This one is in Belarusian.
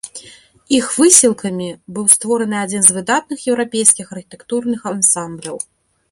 Іх высілкамі быў створаны адзін з выдатных еўрапейскіх архітэктурных ансамбляў.